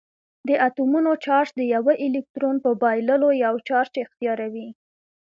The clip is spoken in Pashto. د اتومونو چارج د یوه الکترون په بایللو یو چارج اختیاروي.